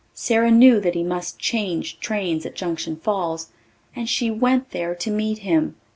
Sara knew that he must change trains at Junction Falls and she went there to meet him.